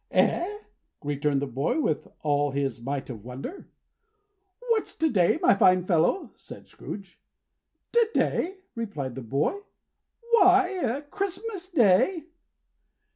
"Eh?" returned the boy, with all his might of wonder. "What's to day, my fine fellow?" said Scrooge. "To day!" replied the boy. "Why, CHRISTMAS DAY."